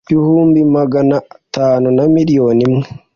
ibihumbi magana atanu na miliyoni imwe